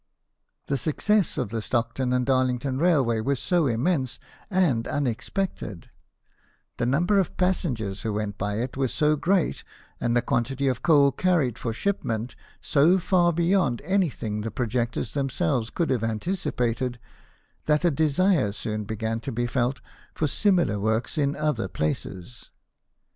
The success of the Stockton and Darlington railway was so immense and unexpected, the number of passengers who went by it was so great, and the quantity of coal carried for ship ment so far beyond anything the projectors themselves could have anticipated, that a desire soon began to be felt for similar works in other places.